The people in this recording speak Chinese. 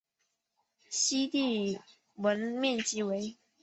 西帝汶面积为。